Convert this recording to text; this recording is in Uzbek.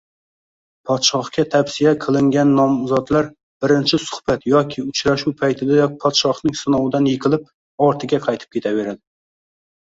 Podshohga tavsiya qilingannomzodlar birinchi suhbat yoki uchrashuv paytidayoq podshohning sinovidan yiqilib ortiga qaytib ketaverdi